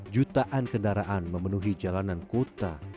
jutaan kendaraan memenuhi jalanan kota